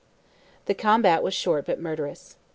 The combat was short but murderous.